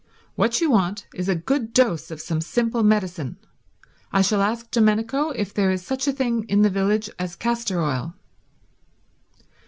"What you want is a good dose of some simple medicine. I shall ask Domenico if there is such a thing in the village as castor oil."